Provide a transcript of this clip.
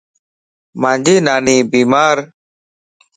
مانجي ناني بيمارَ